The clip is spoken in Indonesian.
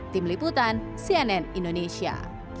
tim liputan cnn indonesia